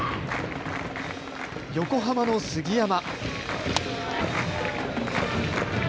横浜の杉山。